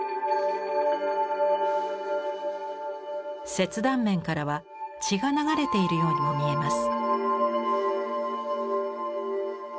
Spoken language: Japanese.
切断面からは血が流れているようにも見えます。